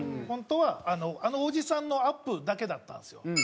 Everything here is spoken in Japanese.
本当はあのおじさんのアップだけだったんですよ。